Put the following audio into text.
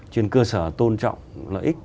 trên cơ sở tôn trọng lợi ích